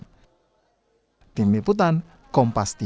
puan hanya menyebut saat itu pertemuan keduanya usai lebaran